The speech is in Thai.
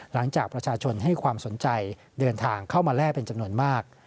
หลังจากประชาชนให้ความสนใจเดินทางเข้ามาแล่เป็นจำนวนมาก